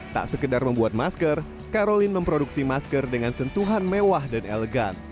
tak sekedar membuat masker karolin memproduksi masker dengan sentuhan mewah dan elegan